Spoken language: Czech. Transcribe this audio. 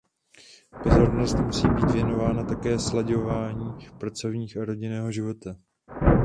Pozornost musí být věnována také slaďování pracovního a rodinného života.